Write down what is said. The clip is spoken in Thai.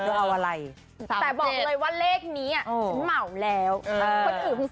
เอาอะไรแต่บอกเลยว่าเลขนี้อ่ะฉันเหมาแล้วคนอื่นคือ